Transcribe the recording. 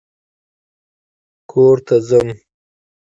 کور ته ځم